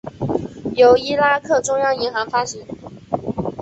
由伊拉克中央银行发行。